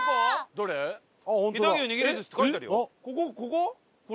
ここ？